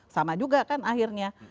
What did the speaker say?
sama juga kan akhirnya